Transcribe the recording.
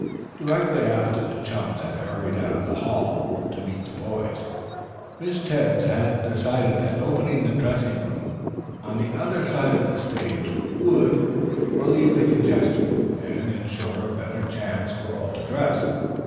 Directly after the chums had hurried out of the hall to meet the boys, Miss Tebbs had decided that opening the dressing room on the other side of the stage would relieve the congestion and insure a better chance for all to dress.